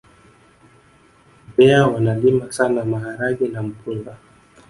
mbeya wanalima sana maharage na mpunga